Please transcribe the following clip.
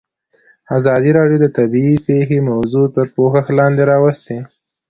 ازادي راډیو د طبیعي پېښې موضوع تر پوښښ لاندې راوستې.